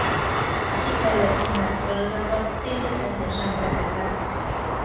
A kifejlett hímek tollazata szinte teljesen fekete.